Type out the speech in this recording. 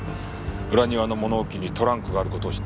裏庭の物置にトランクがある事を知っていた。